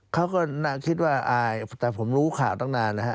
เขาก็น่าคิดว่าอายแต่ผมรู้ข่าวตั้งนานนะฮะ